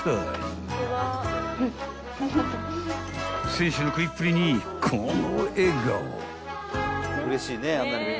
［選手の食いっぷりにこの笑顔］